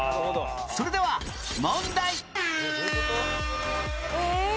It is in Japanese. それでは問題え？